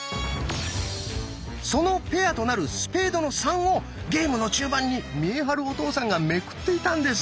そのペアとなる「スペードの３」をゲームの中盤に見栄晴お父さんがめくっていたんです。